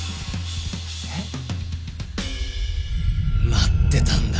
待ってたんだ！